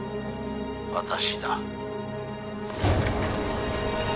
「私だ」